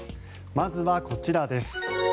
まずはこちらです。